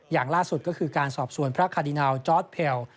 อย่างล่าสุดก็คือการสอบสวนพระคาดินาลจอร์ดเพล